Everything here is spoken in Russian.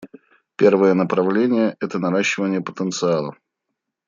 Первое направление — это наращивание потенциала.